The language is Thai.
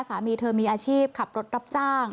สามีเธอมีอาชีพขับรถรับจ้าง